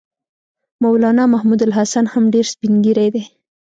مولنا محمودالحسن هم ډېر سپین ږیری دی.